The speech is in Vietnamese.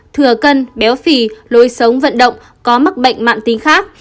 thừa cân béo phì lối sống vận động có mắc bệnh mạng tính khác